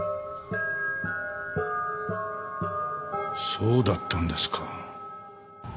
そうだったんですか。